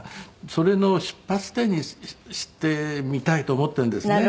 それの出発点にしてみたいと思っているんですね。